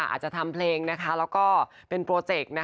อาจจะทำเพลงนะคะแล้วก็เป็นโปรเจกต์นะคะ